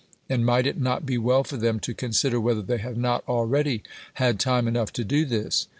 And might it not be well for them to consider whether they have not already had time enough to do this